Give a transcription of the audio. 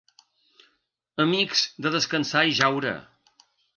Amics de Descansar i Jaure.